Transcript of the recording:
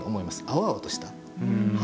青々とした。